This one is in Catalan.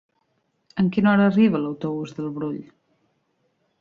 A quina hora arriba l'autobús del Brull?